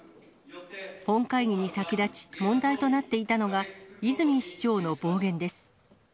本会議に先立ち、問題となっていたのが、泉市長の暴言です。